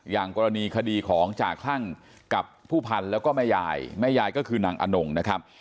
อย่างกรณีคดีของจ่าคลั่งกับผู้พันธุ์แล้วก็แม่ยายแม่ยายก็คือนางอนงนะครับ